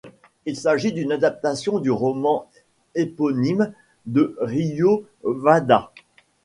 Il s'agit d'une adaptation du roman éponyme de Ryō Wada.